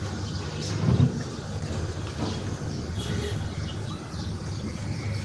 En su primera aparición, en The Legend of Zelda, su nombre era "Gannon".